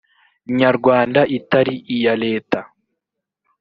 nyarwanda itari iya leta